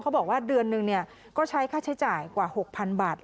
บอกว่าเดือนหนึ่งก็ใช้ค่าใช้จ่ายกว่า๖๐๐๐บาท